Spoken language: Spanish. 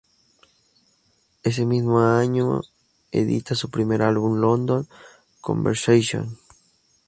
Ese mismo año edita su primer álbum "London Conversation".